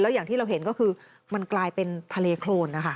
อย่างที่เราเห็นก็คือมันกลายเป็นทะเลโครนนะคะ